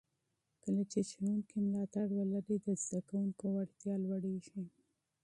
کله چې ښوونکي ملاتړ ولري، د زده کوونکو وړتیا لوړېږي.